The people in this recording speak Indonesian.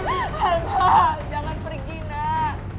alma jangan pergi nak